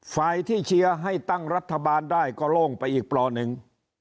ฝ่ายที่เชียร์ให้ตั้งรัฐบาลได้ก็โล่งไปอีกปลอหนึ่ง